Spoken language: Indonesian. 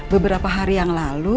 beberapa hari yang lalu